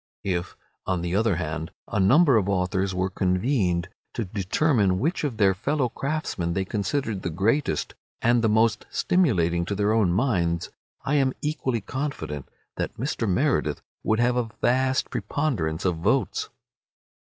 If, on the other hand, a number of authors were convened to determine which of their fellow craftsmen they considered the greatest and the most stimulating to their own minds, I am equally confident that Mr. Meredith would have a vast preponderance of votes.